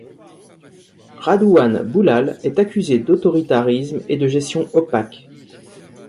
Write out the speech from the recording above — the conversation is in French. Radouane Bouhlal est accusé d'autoritarisme et de gestion opaque.